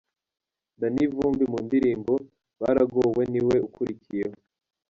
Danny Vumbi mu ndirimbo ’Baragowe’ ni we ukurikiyeho.